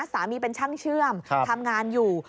สามีเป็นช่างเชื่อมทำงานอยู่